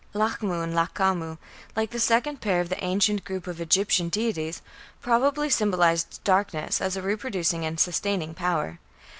Lachmu and Lachamu, like the second pair of the ancient group of Egyptian deities, probably symbolized darkness as a reproducing and sustaining power.